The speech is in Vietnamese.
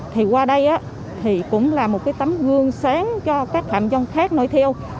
thì qua đây thì cũng là một cái tấm gương sáng cho các phạm nhân khác nối theo